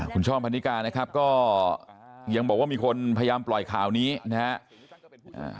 คุณช่อมพันนิกานะครับก็ยังบอกว่ามีคนพยายามปล่อยข่าวนี้นะครับ